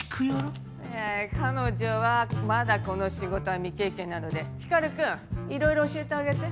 彼女はまだこの仕事は未経験なので光くんいろいろ教えてあげて。